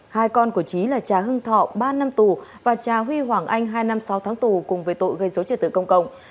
hai con của trí là cha hưng thọ ba năm tù và cha huy hoàng anh hai năm sáu tháng tù cùng với tội gây dối trật tự công cộng